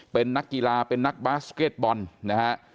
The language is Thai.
เป็นนักกีฬาเป็นนักบาสเก็ตบอลนะฮะ